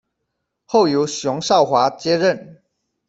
后由熊绍华接任。